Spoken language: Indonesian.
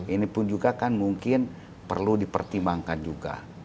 ini pun juga kan mungkin perlu dipertimbangkan juga